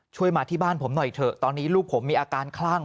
มาที่บ้านผมหน่อยเถอะตอนนี้ลูกผมมีอาการคลั่ง